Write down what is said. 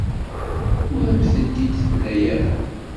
Ur am-tent-id-temla ara.